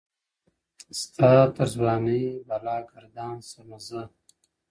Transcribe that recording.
ستا تر ځوانۍ بلا گردان سمه زه،